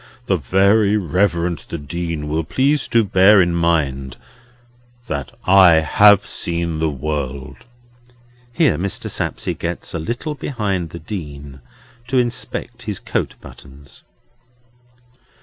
The Very Reverend the Dean will please to bear in mind that I have seen the world." Here Mr. Sapsea gets a little behind the Dean, to inspect his coat buttons.